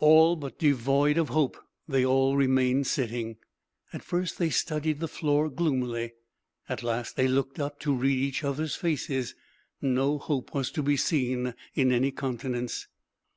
All but devoid of hope, they all remained sitting. At first they studied the floor, gloomily. At last they looked up, to read each other's faces. No hope was to be seen in any countenance.